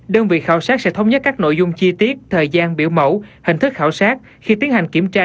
đơn vị khảo sát sẽ thống nhất các nội dung chi tiết thời gian biểu mẫu hình thức khảo sát khi tiến hành kiểm tra